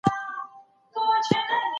توره او توپکوال په خوځښت کې وو.